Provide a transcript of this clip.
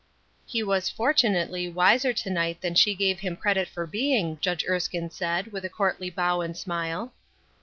He was fortunately wiser to night than she gave him credit for being, Judge Erskine said, with a courtly bow and smile.